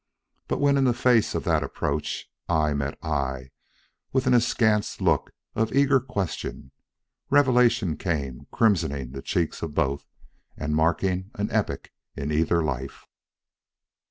But when in face of that approach, eye met eye with an askance look of eager question, revelation came, crimsoning the cheeks of both, and marking an epoch in either life.